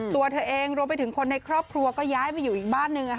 ตัวเธอเองรวมไปถึงคนในครอบครัวก็ย้ายไปอยู่อีกบ้านหนึ่ง